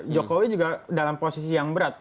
jokowi juga dalam posisi yang berat